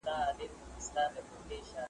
که دا وطن وای د مېړنیو `